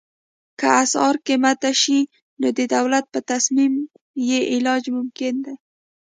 که اسعار قیمته شي نو د دولت په تصمیم یې علاج ممکن دی.